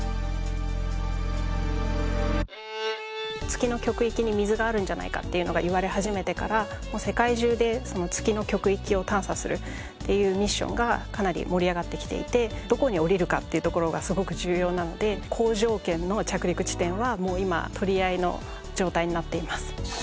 月の極域に水があるんじゃないかっていうのが言われ始めてから世界中で月の極域を探査するっていうミッションがかなり盛り上がってきていてどこに降りるかっていうところがすごく重要なので好条件の着陸地点はもう今取り合いの状態になっています。